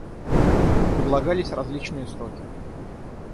Предлагались различные сроки.